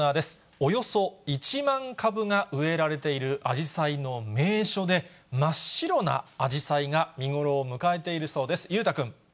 およそ１万株が植えられているあじさいの名所で、真っ白なあじさいが見頃を迎えているそうです。